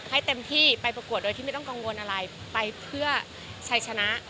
ให้เต็มที่ไปประกวดโดยที่ไม่ต้องกังวลอะไรไปเพื่อชัยชนะ